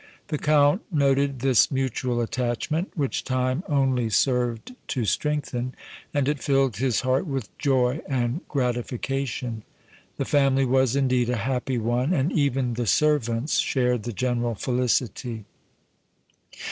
The Count noted this mutual attachment, which time only served to strengthen, and it filled his heart with joy and gratification. The family was, indeed, a happy one, and even the servants shared the general felicity.